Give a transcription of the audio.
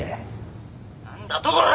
何だとこら！